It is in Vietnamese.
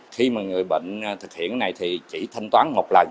khi mà người bệnh thực hiện này thì chỉ thanh toán một lần